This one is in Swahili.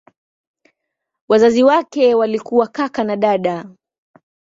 Wazazi wake walikuwa kaka na dada.